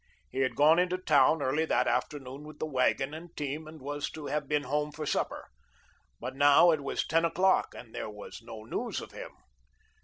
He had gone into town early that afternoon with the wagon and team, and was to have been home for supper. By now it was ten o'clock and there was no news of him.